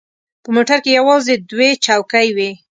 په موټر کې یوازې دوې چوکۍ وې.